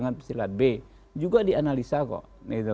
ada pesilat b yang selalu berbentrok dengan pesilat b